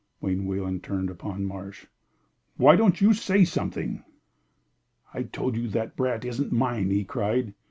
Wayne Wayland turned upon Marsh. "Why don't you say something?" "I told you the brat isn't mine!" he cried.